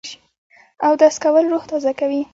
اودس کول روح تازه کوي